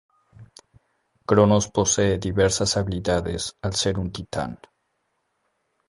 Cronos posee diversas habilidades al ser un Titán.